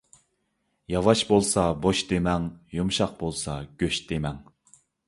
ياۋاش بولسا بوش دېمەڭ، يۇمشاق بولسا گۆش دېمەڭ.